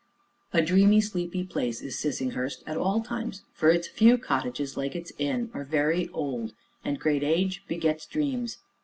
A dreamy, sleepy place is Sissinghurst at all times, for its few cottages, like its inn, are very old, and great age begets dreams.